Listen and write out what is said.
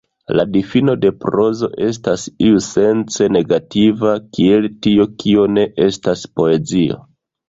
La difino de prozo estas iusence negativa, kiel tio, kio ne estas poezio.